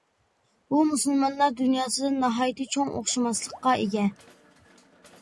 بۇ مۇسۇلمانلار دۇنياسىدا ناھايىتى چوڭ ئوخشىماسلىققا ئىگە.